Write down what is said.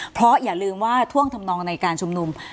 เพราะอย่าลืมว่าท่วงทำนองในการชุมนุม